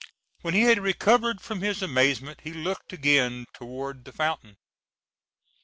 ] When he had recovered from his amazement he looked again toward the fountain.